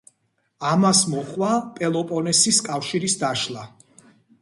ამას მოჰყვა პელოპონესის კავშირის დაშლა.